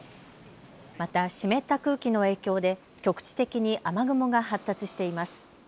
また、湿った空気の影響で局地的に雨雲が発達しています。